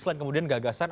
selain kemudian gagasan